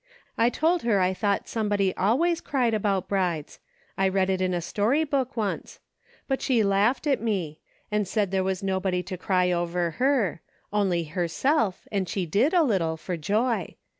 I told her I thought somebody always cried about brides. I read it in a story book once ; but she laughed at me, and said there was nobody to cry over her ; only herself, and she did, a little, for joy.